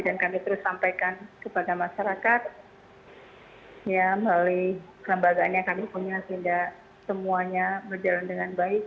dan kami terus sampaikan kepada masyarakat melalui lembagaan yang kami punya sehingga semuanya berjalan dengan baik